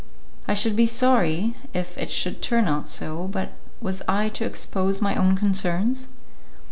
"I should be sorry if it should turn out so, but was I to expose my own concerns?"